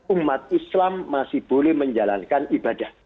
umat islam masih boleh menjalankan ibadah